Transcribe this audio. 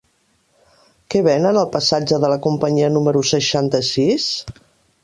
Què venen al passatge de la Companyia número seixanta-sis?